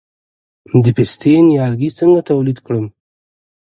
د پستې نیالګي څنګه تولید کړم؟